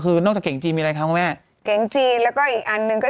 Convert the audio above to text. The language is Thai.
เอ็งจี้หาไม่เจอ